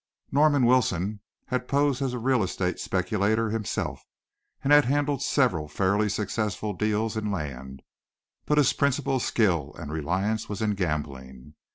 Norman Wilson had posed as a real estate speculator himself, and had handled several fairly successful deals in land, but his principal skill and reliance was in gambling.